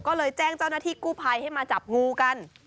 ก็เลยแจ้งเจ้าหน้าที่กู้ภัยให้มาจับงูกัน